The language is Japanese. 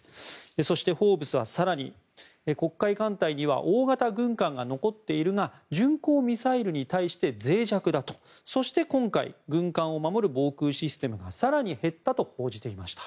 そして「フォーブス」は更に黒海艦隊には大型軍艦が残っているが巡航ミサイルに対してぜい弱だとそして今回軍艦を守る防空システムが更に減ったと報じていました。